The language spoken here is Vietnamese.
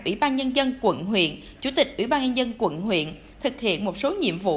ủy ban nhân dân quận huyện chủ tịch ủy ban nhân dân quận huyện thực hiện một số nhiệm vụ